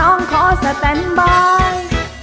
น้องขอสแตนบอย